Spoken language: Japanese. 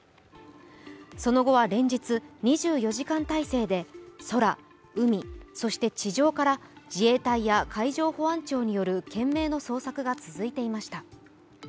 その後は連日、２４時間態勢で空、海、そして地上から自衛隊や海上保安庁による懸命の捜索が続いていました。